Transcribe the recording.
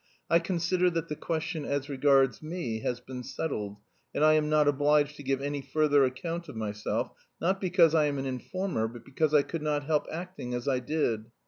I consider that the question as regards me has been settled, and I am not obliged to give any further account of myself, not because I am an informer, but because I could not help acting as I did.